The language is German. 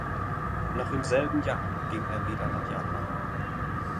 Noch im selben Jahr ging er wieder nach Japan.